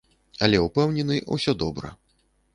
Але ўпэўнены, усё добра.